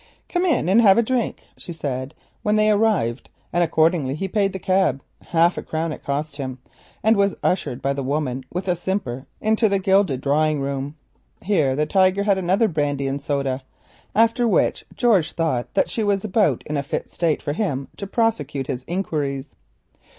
"Come in and have a drink," she said when they arrived, and accordingly he paid the cab—half a crown it cost him—and was ushered by the woman with a simper into the gilded drawing room. Here the Tiger had another brandy and soda, after which George thought that she was about in a fit state for him to prosecute his inquiries.